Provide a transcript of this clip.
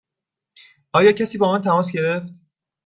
آیا کسی با من تماس گرفت؟